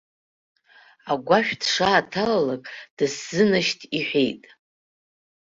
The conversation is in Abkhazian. Агәашә дшааҭалалак дысзынашьҭ иҳәеит.